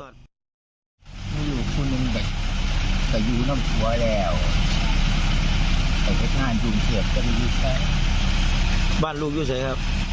ซะคล